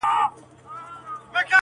-کور ته د صنم ځو تصویرونو ته به څه وایو-